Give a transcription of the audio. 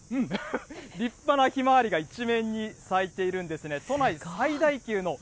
立派なひまわりが一面に咲いているんですね。